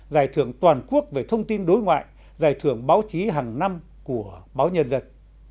giải thưởng toàn quốc về thông tin đối ngoại giải thưởng báo chí hàng năm của báo nhân dân